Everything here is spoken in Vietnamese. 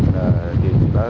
đã tìm được